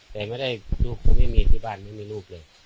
แต่ไม่ได้ลูกเขาไม่มีที่บ้านไม่มีลูกเลย